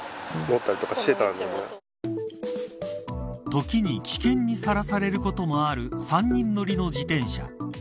時に危険にさらされることもある３人乗りの自転車。